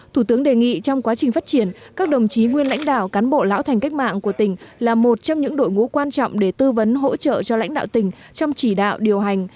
thủ tướng đề nghị trong quá trình phát triển các đồng chí nguyên lãnh đạo cán bộ lão thành cách mạng của tỉnh là một trong những đội ngũ quan trọng để tư vấn hỗ trợ cho lãnh đạo tỉnh trong chỉ đạo điều hành